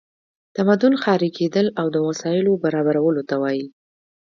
تمدن ښاري کیدل او د وسایلو برابرولو ته وایي.